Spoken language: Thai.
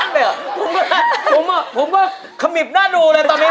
ผมผมก็ขมิบหน้าดูเลยตอนนี้